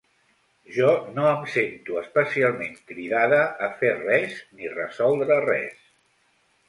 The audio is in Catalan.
Jo no em sento especialment cridada a fer res ni resoldre res.